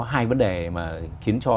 hai vấn đề mà khiến cho